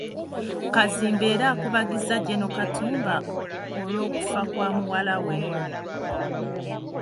Kazimba era akubagizza General Katumba olw'okufa kwa muwala we.